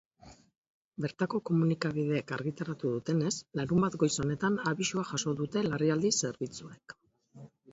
Bertako komunikabideek argitaratu dutenez, larunbat goiz honetan abisua jaso dute larrialdi zerbitzuek.